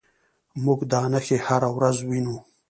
موږ دا نښې هره ورځ وینو.